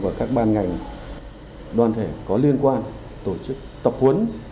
và các ban ngành đoàn thể có liên quan tổ chức tập huấn